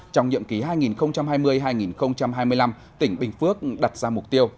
trong nhiệm ký hai nghìn hai mươi hai nghìn hai mươi năm tỉnh bình phước đặt ra mục tiêu